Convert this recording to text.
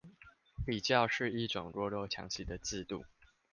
比較是一種弱肉強食的制度